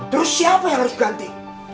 terus siapa yang harus ganti